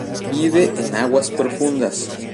Vive en aguas profundas.